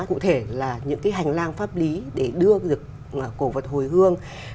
cụ thể là những cái hành lang pháp lý để đưa được cổ vật hồi hương